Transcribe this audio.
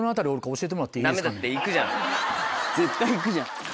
絶対行くじゃん。